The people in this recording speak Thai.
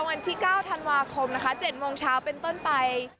วันที่๙ธันวาคมนะคะ๗โมงเช้าเป็นต้นไป